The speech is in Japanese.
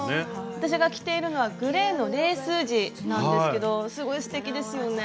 私が着ているのはグレーのレース地なんですけどすごいすてきですよね。